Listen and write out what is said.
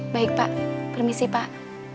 baik pak permisi pak